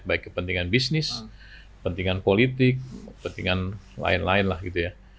baik kepentingan bisnis kepentingan politik kepentingan lain lain lah gitu ya